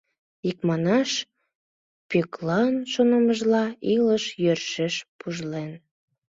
Икманаш, Пӧклан шонымыжла, илыш йӧршеш пужлен.